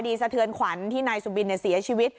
คดีสะเทือนขวัญในที่ล้ายซูบินเสียชีวิต